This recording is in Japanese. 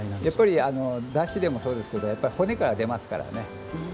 やっぱりだしでもそうですけどやっぱり骨から出ますからね。